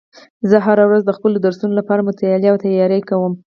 زه هره ورځ د خپلو درسونو لپاره مطالعه او تیاری کوم